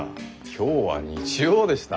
今日は日曜でした。